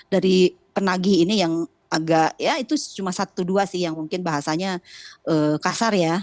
dari penagih ini yang agak ya itu cuma satu dua sih yang mungkin bahasanya kasar ya